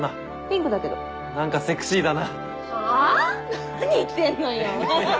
何言ってんのよ！